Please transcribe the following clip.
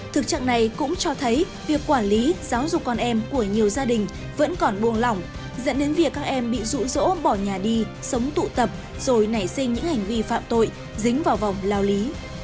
thực trạng này cũng cho thấy việc quản lý giáo dục con em của nhiều gia đình vẫn còn buông lỏng dẫn đến việc các em bị rụ rỗ bỏ nhà đi sống tụ tập rồi nảy sinh những hành vi phạm tội dính vào vòng lao lý